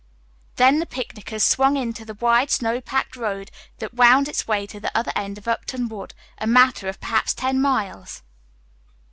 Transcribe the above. Then the picnickers swung into the wide snow packed road that wound its way to the other end of Upton Wood, a matter of perhaps ten miles.